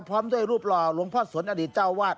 พร้อมด้วยรูปหล่อหลวงพ่อสนอดีตเจ้าวาด